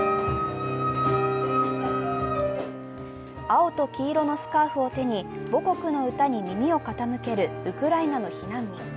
青と黄色のスカーフを手に母国の歌に耳を傾けるウクライナの避難民。